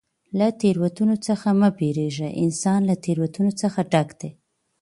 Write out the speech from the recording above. له تېروتنو څخه مه بېرېږه! انسان له تېروتنو څخه ډک دئ.